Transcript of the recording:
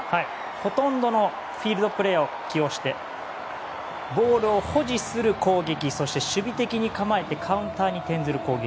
ほとんどのフィールドプレーヤーを起用して、ボールを保持する攻撃そして守備的に構えてカウンターに転ずる攻撃。